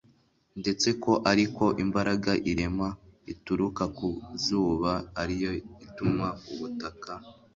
ndetse ko ari ko imbaraga irema ituruka ku zuba ari yo ituma ubutaka